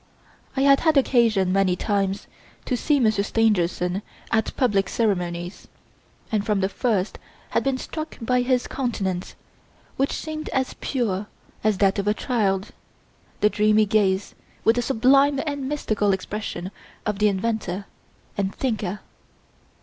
I had had occasion, many times, to see Monsieur Stangerson at public ceremonies, and from the first had been struck by his countenance, which seemed as pure as that of a child the dreamy gaze with the sublime and mystical expression of the inventor and thinker.